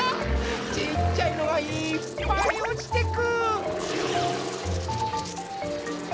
ちっちゃいのがいっぱいおちてく。